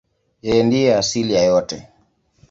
Yeye ndiye asili ya yote.